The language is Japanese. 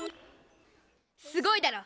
すごいだろ。